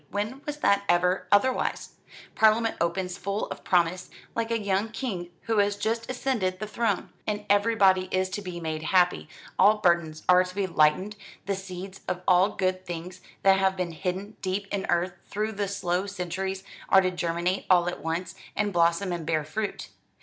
When was that ever otherwise? Parliament opens full of promise, like a young king who has just ascended the throne, and everybody is to be made happy; all burdens are to be lightened, the seeds of all good things that have been hidden deep in earth through the slow centuries are to germinate all at once, and blossom, and bear fruit.